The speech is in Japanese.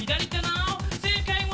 「正解は」